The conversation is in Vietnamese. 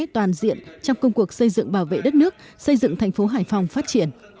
toàn diện trong công cuộc xây dựng bảo vệ đất nước xây dựng thành phố hải phòng phát triển